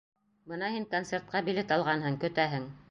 Бына һин концертҡа билет алғанһың, көтәһең.